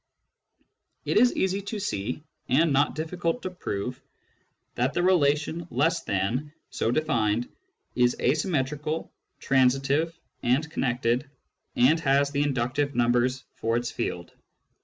It is easy to see, and not difficult to prove, that the relation " less than," so defined, is asymmetrical, transitive, and con nected, and has the inductive numbers for its field.